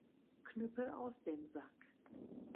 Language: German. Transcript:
Knüppel aus dem Sack!